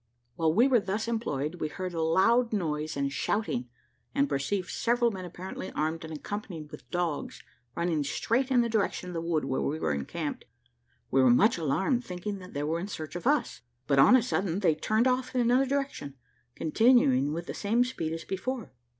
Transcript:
While we were thus employed, we heard a loud noise and shouting, and perceived several men, apparently armed and accompanied with dogs, running straight in the direction of the wood where we were encamped. We were much alarmed, thinking that they were in search of us, but on a sudden they turned off in another direction, continuing with the same speed as before.